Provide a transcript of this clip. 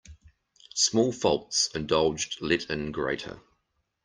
Small faults indulged let in greater.